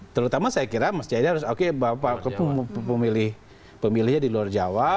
terutama saya kira mas jayadi harus ok pemilihnya di luar jawa